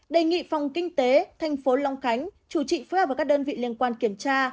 đề nghị phòng kinh tế tp hcm chủ trì phối hợp các đơn vị liên quan kiểm tra